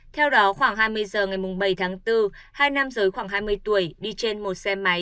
theo đó khoảng hai mươi giờ ngày bảy tháng bốn hai nam giới khoảng hai mươi tuổi đi trên một xe máy